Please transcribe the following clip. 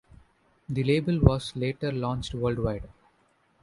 The label was later launched worldwide.